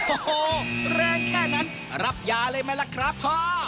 โอ้โหแรงแค่นั้นรับยาเลยไหมล่ะครับพ่อ